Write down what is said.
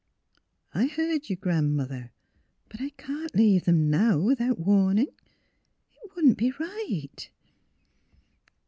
"'' I heard you, Gran 'mother! But I can't leave them now, without warning. It wouldn't be right.